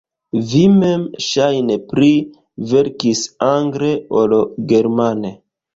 Vi mem ŝajne pli verkis angle ol germane.